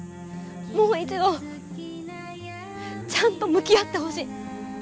もう一度ちゃんと向き合ってほしい。